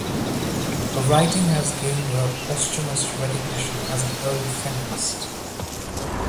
Her writing has gained her posthumous recognition as an early feminist.